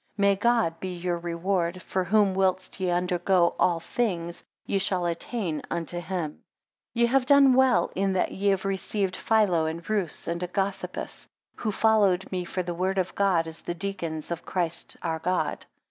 10 May God be your reward, for whom whilst ye undergo all things, ye shall attain unto him. 11 Ye have done well in that ye have received Philo, and Rheus Agathopus, who followed me for the word of God, as the deacons of Christ our God.